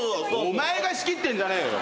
お前が仕切ってんじゃねえよ。